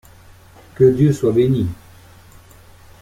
Que Dieu soit bénit !